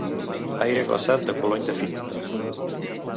Aire glaçat de color indefinit.